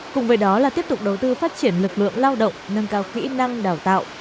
cùng với đó là tiếp tục đầu tư phát triển lực lượng lao động nâng cao kỹ năng đào tạo